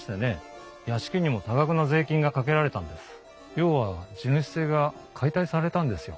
要は地主制が解体されたんですよ。